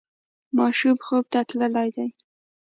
ماشوم خوب ته تللی دی.